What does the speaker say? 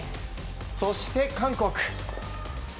そして、韓国。